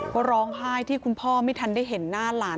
ก็ร้องไห้ที่คุณพ่อไม่ทันได้เห็นหน้าหลาน